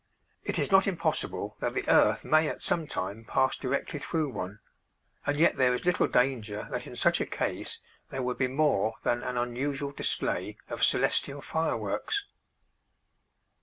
It is not impossible that the earth may at some time pass directly through one, and yet there is little danger that in such a case there would be more than an unusual display of celestial fireworks.